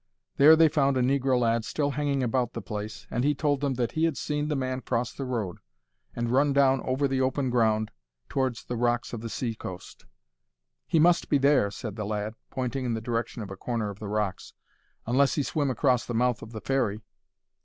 There they found a negro lad still hanging about the place, and he told them that he had seen the man cross the road, and run down over the open ground towards the rocks of the sea coast. "He must be there," said the lad, pointing in the direction of a corner of the rocks; "unless he swim across the mouth of the ferry."